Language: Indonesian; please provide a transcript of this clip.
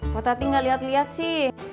pok tadi enggak liat liat sih